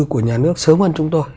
của nhà nước sớm hơn chúng tôi